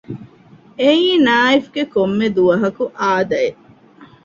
އެއީ ނާއިފްގެ ކޮންމެ ދުވަހަކު އާދައެއް